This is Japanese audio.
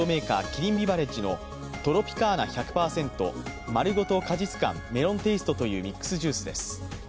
キリンビバレッジのトロピカーナ１００％まるごと果実感メロンテイストというミックスジュースです。